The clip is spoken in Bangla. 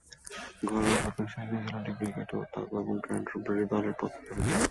ঘরোয়া প্রথম-শ্রেণীর নিউজিল্যান্ডীয় ক্রিকেটে ওতাগো ও ক্যান্টারবারি দলের পক্ষে খেলেছেন।